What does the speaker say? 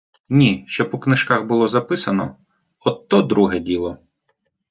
Ні, щоб у книжках було записано, от то друге діло...